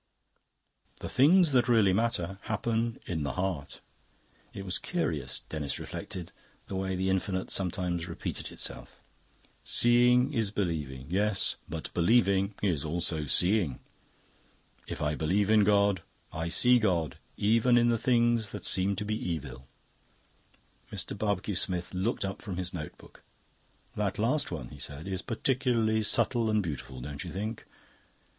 "The Things that Really Matter happen in the Heart." It was curious, Denis reflected, the way the Infinite sometimes repeated itself. "Seeing is Believing. Yes, but Believing is also Seeing. If I believe in God, I see God, even in the things that seem to be evil." Mr. Barbecue Smith looked up from his notebook. "That last one," he said, "is particularly subtle and beautiful, don't you think?